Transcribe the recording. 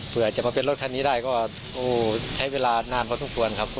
เพื่อจะมาเป็นรถคันนี้ได้ก็ใช้เวลานานพอสมควรครับ